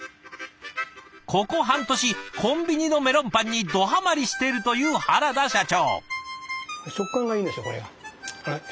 ここ半年コンビニのメロンパンにドハマりしているという原田社長。